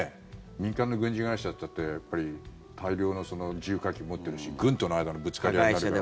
民間の軍事会社ったって大量の重火器持ってるし軍との間のぶつかり合いも。